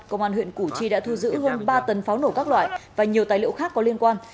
công an huyện củ chi đã thu giữ hơn ba tấn pháo nổ các loại và nhiều tài liệu khác có liên quan